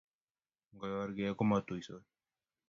Ngoyorgei komatuisot